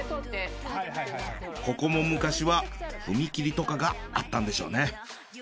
ここも昔は踏切とかがあったんでしょうね。